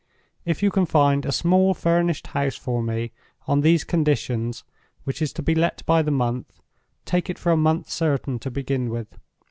"If you can find a small furnished house for me on these conditions which is to be let by the month, take it for a month certain to begin with.